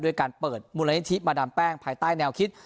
การเปิดมูลนิธิมาดามแป้งภายใต้แนวคิด